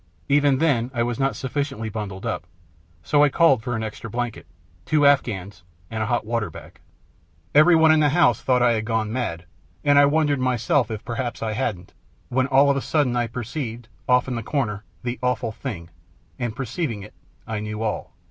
Even then I was not sufficiently bundled up, so I called for an extra blanket, two afghans, and the hot water bag. Everybody in the house thought I had gone mad, and I wondered myself if perhaps I hadn't, when all of a sudden I perceived, off in the corner, the Awful Thing, and perceiving it, I knew all.